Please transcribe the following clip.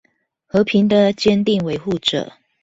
和平的堅定維護者